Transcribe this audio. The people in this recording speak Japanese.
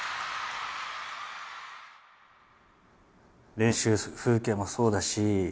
練習風景もそうだし。